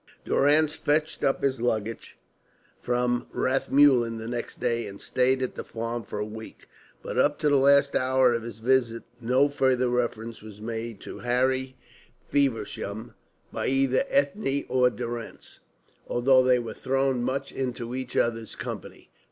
Durrance fetched up his luggage from Rathmullen the next day, and stayed at the farm for a week. But up to the last hour of his visit no further reference was made to Harry Feversham by either Ethne or Durrance, although they were thrown much into each other's company.